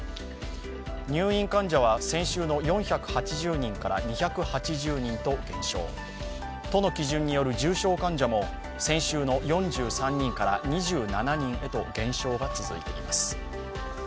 入院患者は先週の４８０人から２８０人と減少都の基準による重症患者も先週の４３人から２７人へと減少が続いています。